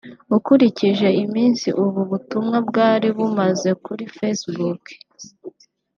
Ukurikije iminsi ubu butumwa bwari bumaze kuri facebook